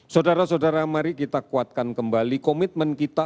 saudara saudara mari kita kuatkan kembali komitmen kita